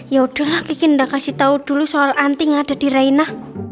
yaudahlah kikin udah kasih tau dulu soal anti gak ada di reina